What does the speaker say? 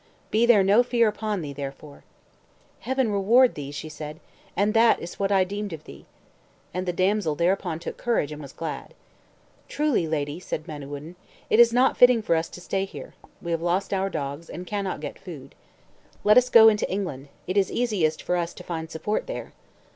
Be there no fear upon thee, therefore." "Heaven reward thee!" she said; "and that is what I deemed of thee." And the damsel thereupon took courage, and was glad. "Truly, lady," said Manawyddan, "it is not fitting for us to stay here; we have lost our dogs, and cannot get food. Let us go into England; it is easiest for us to find support there."